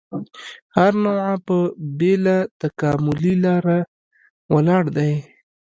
هره نوعه په بېله تکاملي لاره ولاړ دی.